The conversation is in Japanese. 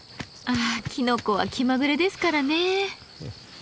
あきのこは気まぐれですからね。